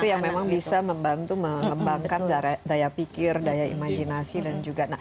itu yang memang bisa membantu mengembangkan daya pikir daya imajinasi dan juga